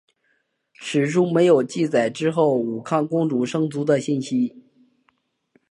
史书没有记载之后武康公主生卒的信息。